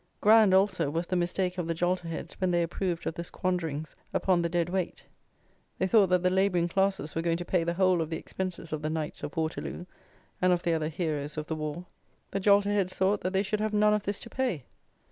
Grand, also, was the mistake of the jolterheads when they approved of the squanderings upon the Dead Weight. They thought that the labouring classes were going to pay the whole of the expenses of the Knights of Waterloo, and of the other heroes of the war. The jolterheads thought that they should have none of this to pay.